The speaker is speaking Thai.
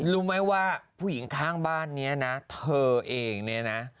รู้ไหมว่าผู้หญิงข้างบ้านนี้นะเธอเองเนี่ยนะ